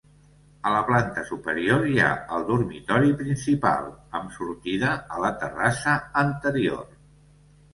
A la planta superior hi ha el dormitori principal, amb sortida a la terrassa anterior.